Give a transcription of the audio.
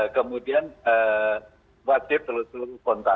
kemudian wajib telusur kontak